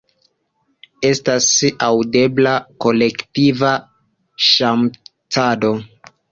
Estas aŭdebla kolektiva ŝmacado.